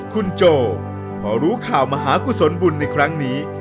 คุณโจพอรู้ข่าวมหากุศลบุญในครั้งนี้